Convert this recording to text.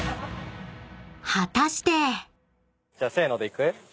［果たして］じゃあせーのでいく？